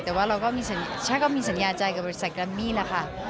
แต่ว่าเราก็มีสัญญาใจกับบริษัทแรมมี่แหละค่ะ